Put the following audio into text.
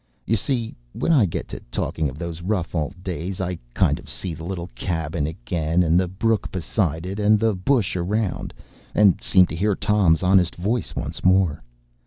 You see, when I get talking of those rough old days, I kind of see the little cabin again, and the brook beside it, and the bush around, and seem to hear Tom’s honest voice once more.